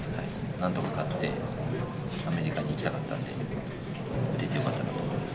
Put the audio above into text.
なんとか勝って、アメリカに行きたかったので、打ててよかったなと思います。